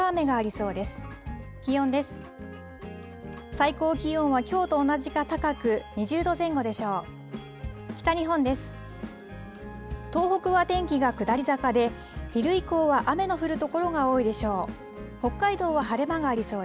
最高気温はきょうと同じか高く、２０度前後でしょう。